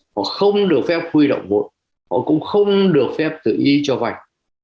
họ không được phép huy động vội họ cũng không được phép tự ý cho vay